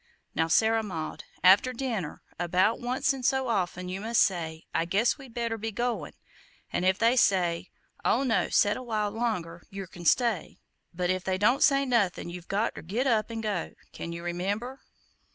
Now, Sarah Maud, after dinner, about once in so often, you must say, 'I guess we'd better be goin';' an' if they say, 'Oh, no, set a while longer,' yer can stay; but if they don't say nothin' you've got ter get up an' go. Can you remember?"